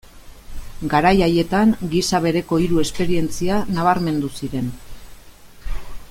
Garai haietan gisa bereko hiru esperientzia nabarmendu ziren.